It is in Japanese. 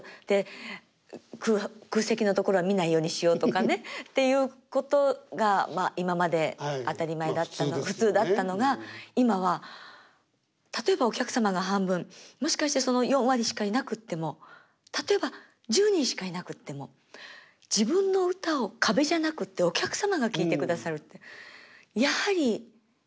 で空席の所は見ないようにしようとかねっていうことが今まで当たり前だった普通だったのが今は例えばお客様が半分もしかしてその４割しかいなくっても例えば１０人しかいなくっても自分の歌を壁じゃなくてお客様が聴いてくださるってやはり。